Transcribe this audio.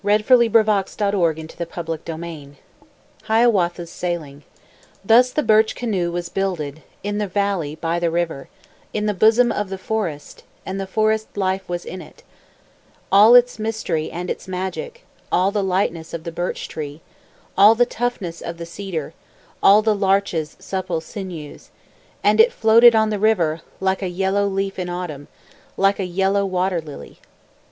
Adapted from "The Lilac Fairy Book" by Andrew Lang HIAWATHA'S SAILING Thus the Birch Canoe was builded In the valley, by the river, In the bosom of the forest; And the forest life was in it, All its mystery and its magic, All the lightness of the birch tree, All the toughness of the cedar, All the larch's supple sinews; And it floated on the river Like a yellow leaf in autumn, Like a yellow water lily.